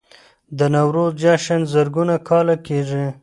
د نوروز جشن زرګونه کاله کیږي